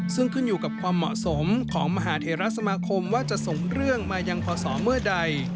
ซึ่งขึ้นอยู่กับความเหมาะสมของมหาเทราสมาคมว่าจะส่งเรื่องมายังพศเมื่อใด